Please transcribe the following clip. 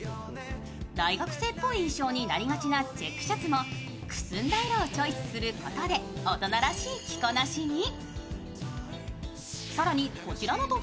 大学生っぽい印象になりがちなチェックシャツもくすんだ色をチョイスすることで大人らしい着こなしに。